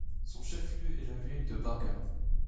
Son chef-lieu est la ville de Bargarh.